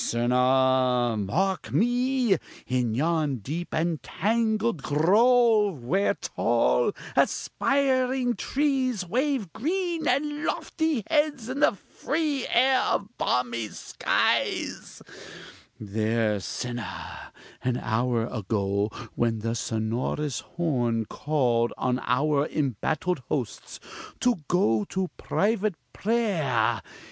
Sinner, mark me! in yon deep and tangled grove, where tall, aspiring trees wave green and lofty heads in the free air of balmy skies there sinner, an hour ago, when the sonorous horn called on our embattled hosts to go to private prayer!